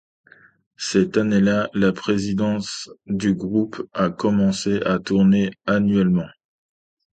Cette année-là, la présidence du groupe a commencé à tourner annuellement.